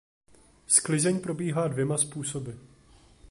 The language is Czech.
Sklizeň probíhá dvěma způsoby.